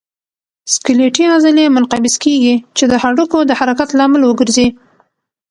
سکلیټي عضلې منقبض کېږي چې د هډوکو د حرکت لامل وګرځي.